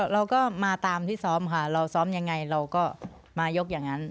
เราก็มาตามที่ซ้อมค่ะเราซ้อมยังไงเราก็มายกอย่างนั้น